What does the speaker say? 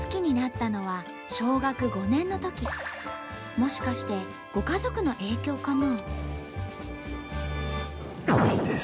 もしかしてご家族の影響かな？